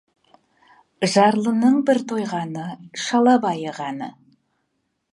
Жарлының бір тойғаны — шала байығаны.